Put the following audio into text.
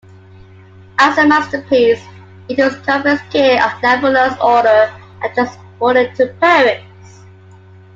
As a masterpiece it was confiscated on Napoleon's order and transported to Paris.